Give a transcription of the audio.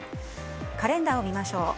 カレンダーを見ましょう。